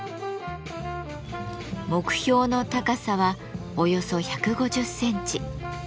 目標の高さはおよそ１５０センチ。